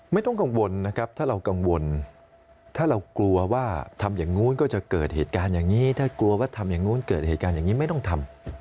ไม่ต้องกังวลนะครับถ้าเรากังวลถ้าเรากลัวว่าทำอย่างนู้นก็จะเกิดเหตุการณ์อย่างนี้ถ้ากลัวว่าทำอย่างนู้นเกิดเหตุการณ์อย่างนี้ไม่ต้องทำ